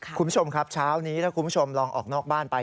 คุณผู้ชมครับเช้านี้ถ้าคุณผู้ชมลองออกนอกบ้านไป